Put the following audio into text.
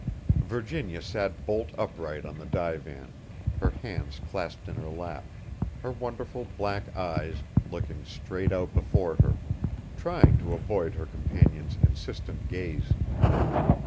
Virginia sat bolt upright on the divan, her hands clasped in her lap, her wonderful black eyes looking straight out before her, trying to avoid her companion's insistent gaze.